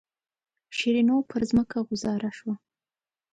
شیرینو پر ځمکه غوځاره شوه.